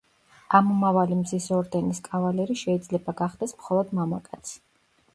ამომავალი მზის ორდენის კავალერი შეიძლება გახდეს მხოლოდ მამაკაცი.